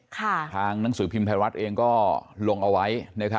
ค่ะทางหนังสือพิมพ์ไทยรัฐก็ลงเอาไว้นะครับ